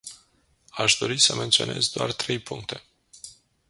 Aș dori să menționez doar trei puncte.